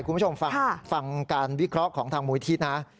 คุณผู้ชมฟังการวิเคราะห์ของทางมูลที่นะ